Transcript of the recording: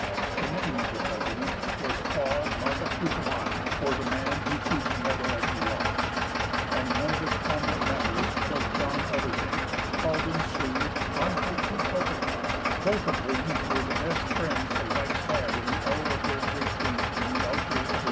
The name of the president was Paul Ma za cu ta ma ni, or "The man who shoots metal as he walks," and one of its prominent members was John Otherday, called in Sioux, An pay tu tok a cha, both of whom were the best friends the whites had in the hour of their great danger in the outbreak of 1862.